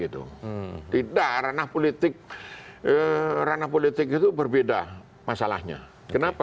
tidak ranah politik itu berbeda masalahnya kenapa